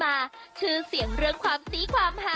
แต่โอ๊ะโทษไม่แทนขาดคำ